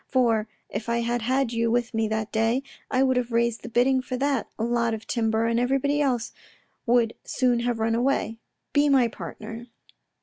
For if I had had you with me that day, I would have raised the bidding for that lot of timber and everybody else would soon have run away. Be my partner.